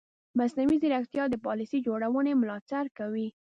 مصنوعي ځیرکتیا د پالیسي جوړونې ملاتړ کوي.